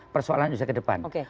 persoalan usaha ke depan